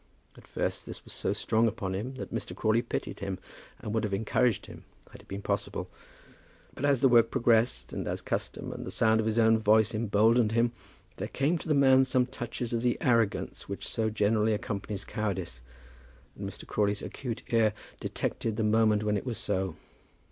At first this was so strong upon him that Mr. Crawley pitied him, and would have encouraged him had it been possible. But as the work progressed, and as custom and the sound of his own voice emboldened him, there came to the man some touches of the arrogance which so generally accompanies cowardice, and Mr. Crawley's acute ear detected the moment when it was so.